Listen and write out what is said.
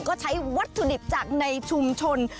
ก็ใช้วัตถุดิบจากในชุมชน